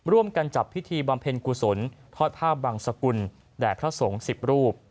ร่วมกันจัดพิธีบำเพ็ญกุศลทอดภาพบังสกุลแด่พระสงฆ์๑๐รูป